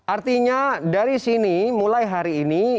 artinya dari sini mulai hari ini